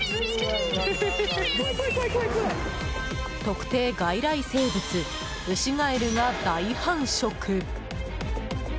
特定外来生物ウシガエルが大繁殖。